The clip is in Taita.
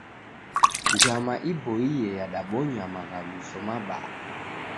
Njama iboie yadabonya maghaluso mabaa.